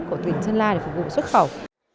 của tỉnh sơn la để phục vụ xuất khẩu